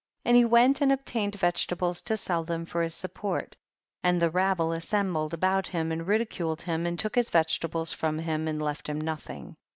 10. And he went and obtained vegetables to sell them for his sup port, and the rabble assembled about liim and ridiculed him, and took his vegetables from him and left him nothing.